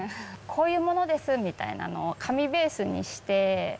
こういう者ですみたいなものを紙ベースにして。